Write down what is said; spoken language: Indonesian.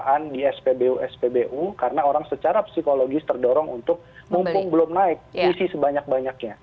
pemeriksaan di spbu spbu karena orang secara psikologis terdorong untuk mumpung belum naik pusi sebanyak banyaknya